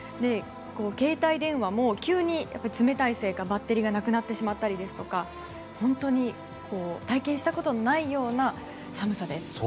携帯電話も急に冷たいせいかバッテリーがなくなってしまったりですとか本当に体験したことのないような寒さです。